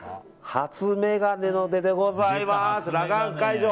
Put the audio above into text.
初眼鏡の出でございます。